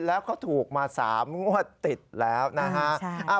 แล้วเขาถูกมา๓งวดติดแล้วนะฮะ